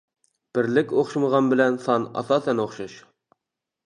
بىرلىك ئوخشىمىغان بىلەن سان ئاساسەن ئوخشاش.